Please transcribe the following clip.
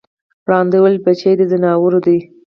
ړانده وویل بچی د ځناور دی